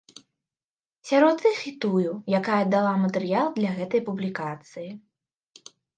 Сярод іх і тую, якая дала матэрыял для гэтай публікацыі.